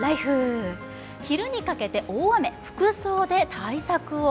昼にかけて大雨、服装で対策を。